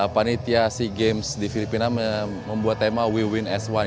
panitia sea games di filipina membuat tema we win s satu